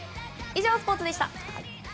以上スポーツでした。